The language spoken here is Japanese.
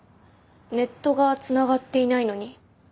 ネットがつながっていないのに？